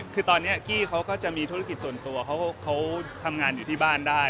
คือตอนนี้กี้เขาก็จะมีธุรกิจส่วนตัวเขาทำงานอยู่ที่บ้านได้